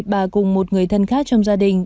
bà cùng một người thân khác trong gia đình